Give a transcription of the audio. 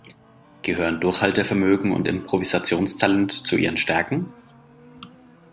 Gehören Durchhaltevermögen und Improvisationstalent zu Ihren Stärken?